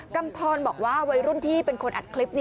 กำทรบอกว่าวัยรุ่นที่เป็นคนอัดคลิป